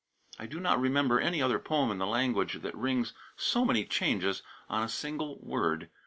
I do not remember any other poem in the language that rings so many changes on a single word.